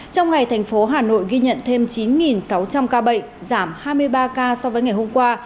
trong ngày thành phố hà nội ghi nhận thêm chín sáu trăm linh ca bệnh giảm hai mươi ba ca so với ngày hôm qua